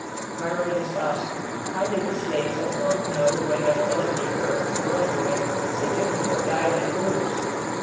My readers ask, how did the slaves at home know when their fellow negroes, the runaways, sickened or died in the woods.